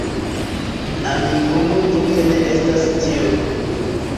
Amikumu tute ne estas tio